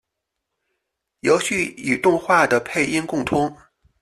游戏与动画的配音共通。